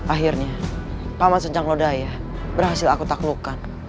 akhirnya paman sencang lodaya berhasil aku taklukkan